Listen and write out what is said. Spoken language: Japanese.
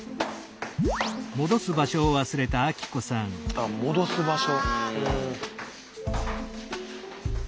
あっ戻す場所。